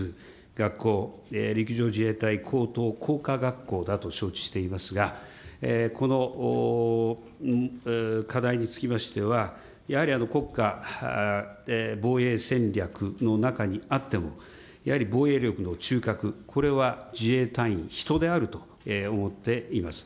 学校、陸上自衛隊高等工科学校だと承知していますが、この課題につきましては、やはり国家防衛戦略の中にあっても、やはり防衛力の中核、これは自衛隊員、人であると思っています。